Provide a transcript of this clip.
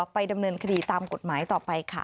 ไปดำเนินคดีตามกฎหมายต่อไปค่ะ